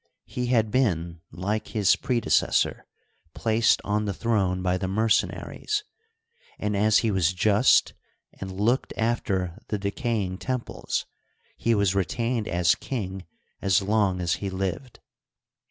He had been, like his predecessor, placed on the throne by the mercenaries, and, as he was iust and looked after the deca5ing temples, he was retained as king as long as he lived.